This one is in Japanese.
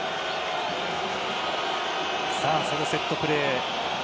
そのセットプレー。